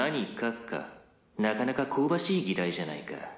「なかなか香ばしい議題じゃないか」